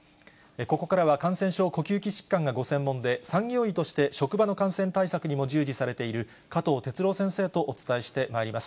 ここからは感染症、呼吸器疾患がご専門で、産業医として職場の感染対策にも従事されている、加藤哲朗先生とお伝えしてまいります。